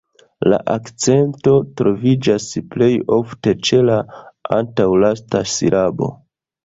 La akcento troviĝas plej ofte ĉe la antaŭlasta silabo.